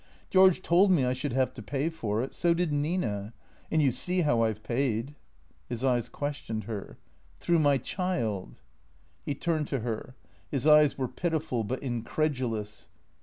" George told me I should have to pay for it. So did Nina. And you see how I 've paid." His eyes questioned her. " Through my child." THE CREATORS 413 He turned to her. His eyes were pitiful but incredulous.